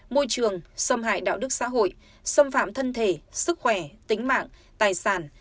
môi trường xâm hại đạo đức xã hội xâm phạm thân thể sức khỏe tính mạng tài sản